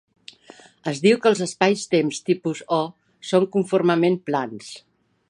Es diu que els espaitemps tipus O són conformement plans.